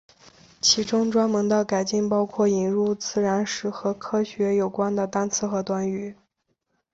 其中专门的改进包括引入与自然史和科学有关的单词和短语。